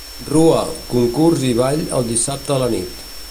Rua, concurs i ball el dissabte a la nit.